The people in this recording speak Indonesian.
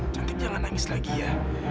cantik jangan nangis lagi ya